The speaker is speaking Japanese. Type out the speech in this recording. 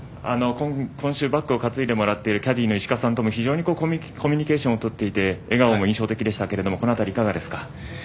今週、バッグを担いでもらっているキャディーの石過さんとも非常にコミュニケーションをとっていて笑顔も印象的でしたけどこの辺り、いかがですか。